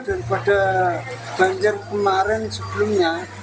daripada banjir kemarin sebelumnya